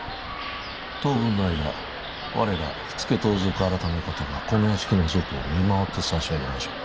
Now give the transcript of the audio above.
当分の間我ら火付盗賊改方がこの屋敷の外を見回ってさしあげましょう。